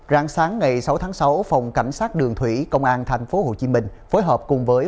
ráng sáng ngày sáu tháng sáu phòng cảnh sát đường thủy công an thành phố hồ chí minh phối hợp cùng với